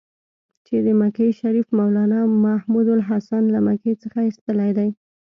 چې د مکې شریف مولنا محمودحسن له مکې څخه ایستلی دی.